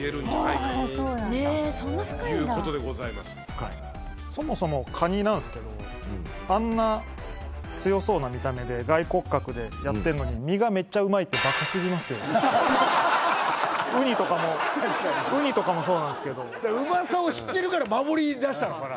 深いそもそもカニなんすけどあんな強そうな見た目で外骨格でやってんのにウニとかもウニとかもそうなんすけどうまさを知ってるから守りだしたのかな？